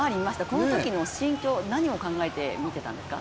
このときの心境何を考えて見ていたんですか？